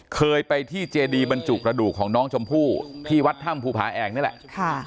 เคยไปที่เจดีบรรจุกระดูกของน้องชมพู่ที่วัดถ้ำภูผาแอกนี่แหละ